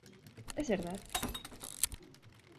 ¡ es verdad!...